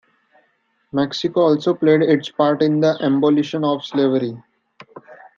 Mexico also played its part in the abolition of slavery.